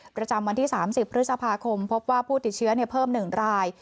ประจำวันที่๓๐พฤษภาคมพบว่าผู้ติดเชื้อเพิ่ม๑ราย